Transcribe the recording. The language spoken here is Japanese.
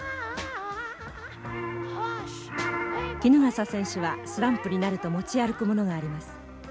衣笠選手はスランプになると持ち歩くものがあります。